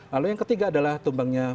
lalu yang ketiga adalah tumbangnya